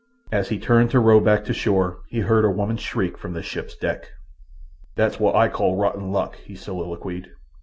As he turned to row back to shore he heard a woman's shriek from the ship's deck. "That's wot I calls rotten luck," he soliloquized.